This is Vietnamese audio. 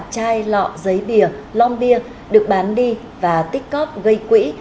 chai lọ giấy bìa long bia được bán đi và tích cóp gây quỹ